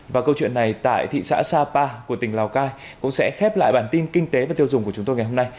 và câu chuyện này tại thị xã sapa của tỉnh lào cai cũng sẽ khép lại bản tin kinh tế và tiêu dùng của chúng tôi ngày hôm nay